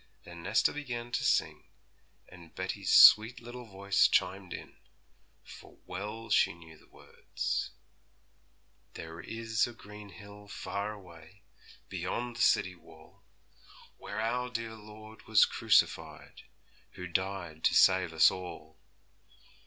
Then Nesta began to sing; and Betty's sweet little voice chimed in; for well she knew the words, 'There is a green hill far away, Beyond the city wall, Where our dear Lord was crucified, Who died to save us all.